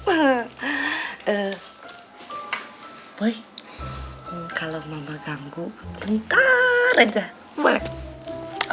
eh boy kalau mama ganggu bentar aja boleh